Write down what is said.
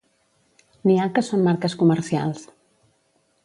N'hi ha que són marques comercials.